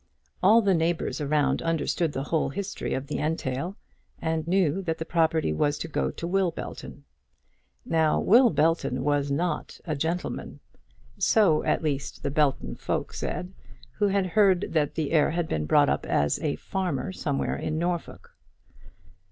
All the neighbours around understood the whole history of the entail, and knew that the property was to go to Will Belton. Now Will Belton was not a gentleman! So, at least, said the Belton folk, who had heard that the heir had been brought up as a farmer somewhere in Norfolk.